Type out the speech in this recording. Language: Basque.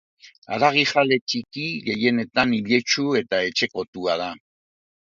Haragijale txiki, gehienetan iletsu eta etxekotua da.